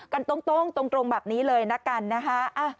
กันตรงแบบนี้เลยละกันนะคะ